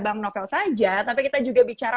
bang novel saja tapi kita juga bicara